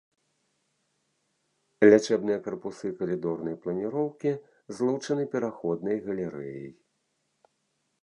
Лячэбныя карпусы калідорнай планіроўкі злучаны пераходнай галерэяй.